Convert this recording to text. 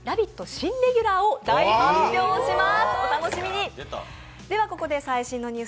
新レギュラーを大発表します。